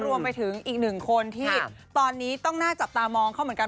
รวมไปถึงอีกหนึ่งคนที่ตอนนี้ต้องน่าจับตามองเขาเหมือนกัน